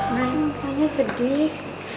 man kayaknya sedih